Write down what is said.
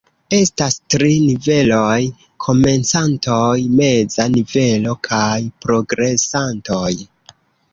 Estas tri niveloj: komencantoj, meza nivelo kaj progresantoj.